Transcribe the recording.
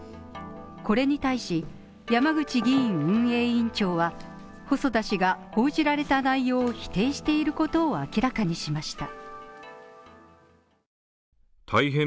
これに対し山口議院運営委員長は細田氏が報じられた内容を否定していることを明らかにしました。